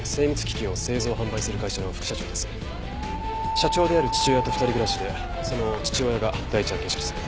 社長である父親と二人暮らしでその父親が第一発見者です。